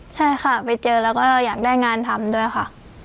ใช่ค่ะไปเจอแล้วก็อยากได้งานทำด้วยค่ะ